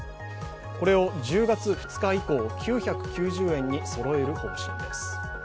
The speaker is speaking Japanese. これを１０月２日以降、９９０円にそろえる方針です。